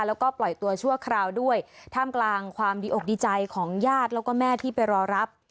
แล้วก็ปล่อยตัวชั่วคราวด้วยท่ามกลางความดีอกดีใจของญาติแล้วก็แม่ที่ไปรอรับ